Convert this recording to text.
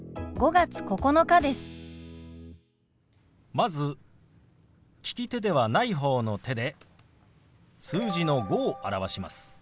まず利き手ではない方の手で数字の「５」を表します。